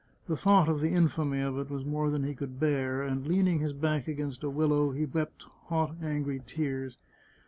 The thought of the infamy of it was more than he could bear, and, leaning his back against a willow, he wept hot, angry tears.